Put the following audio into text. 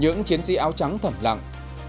những chiến sĩ áo trắng thẩm lặng